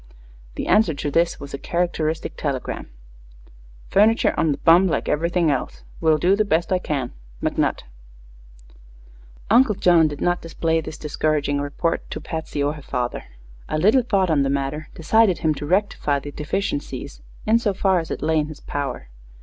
The answer to this was a characteristic telegram: Furniture on the bum, like everything else. Will do the best I can. McNutt. Uncle John did not display this discouraging report to Patsy or her father. A little thought on the matter decided him to rectify the deficiencies, in so far as it lay in his power.